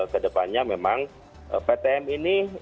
kedepannya memang ptm ini